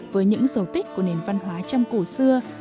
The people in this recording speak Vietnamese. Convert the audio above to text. với những dấu tích của nền văn hóa trăm cổ xưa